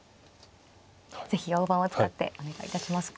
是非大盤を使ってお願いいたします。